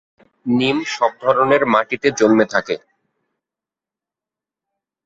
নিম সব ধরনের মাটিতে জন্মে থাকে।